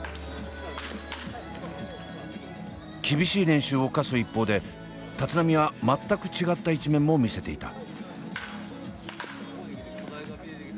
厳しい練習を課す一方で立浪は全く違った一面も見せていた。